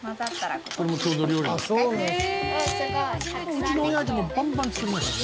うちのおやじもバンバン作りました。